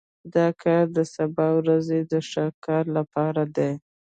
دا کار د سبا ورځې د ښه کار لپاره دی